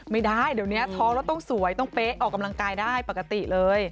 ไม่ได้เดี๋ยวนี้ท้องแล้วต้องสวยต้องเป๊ะออกกำลังกายได้ปกติเลย